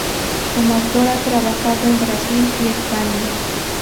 Como actor ha trabajado en Brasil y España.